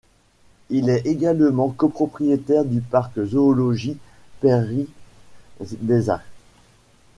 Il est également copropriétaire du parc zoologique Pairi Daiza.